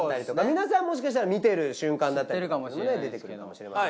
皆さんもしかしたら見てる瞬間だったりとか出てくるかもしれません